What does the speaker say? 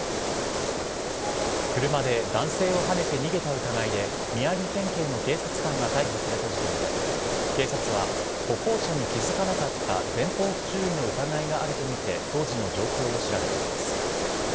車で男性をはねて逃げた疑いで、宮城県警の警察官が逮捕された事件で、警察は歩行者に気付かなかった前方不注意の疑いがあると見て、当時の状況を調べています。